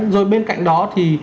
rồi bên cạnh đó thì